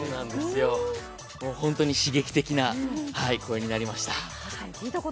ホントに刺激的な公演になりました。